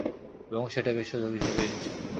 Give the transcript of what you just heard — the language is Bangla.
এবং সেটাকে সুযোগ হিসেবে নিচ্ছে না।